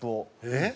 えっ？